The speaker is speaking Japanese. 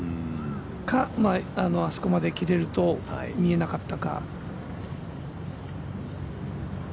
か、あそこまで切れると見えなかったか。